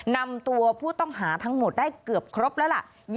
นำตัวผู้ต้องหาทั้งหมดได้เกือบครบแล้วล่ะ